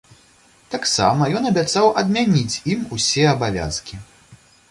Таксама ён абяцаў адмяніць ім усе абавязкі.